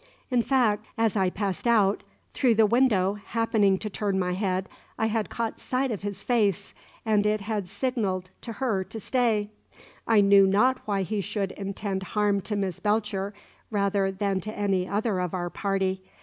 In fact, as I passed out through the window, happening to turn my head, I had caught sight of his face, and it had signalled to her to stay. I knew not why he should intend harm to Miss Belcher rather than to any other of our party.